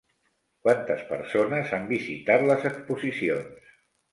Quantes persones han visitat les exposicions?